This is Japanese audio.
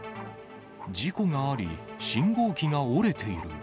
事故があり、信号機が折れている。